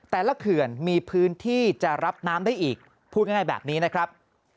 เขื่อนมีพื้นที่จะรับน้ำได้อีกพูดง่ายแบบนี้นะครับ